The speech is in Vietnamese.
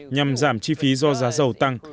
nhằm giảm chi phí do giá dầu tăng